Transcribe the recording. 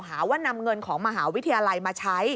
หาว่านำเงินของมหาวิทยาลัยมาใช้